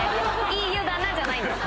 いい湯だなじゃないんです。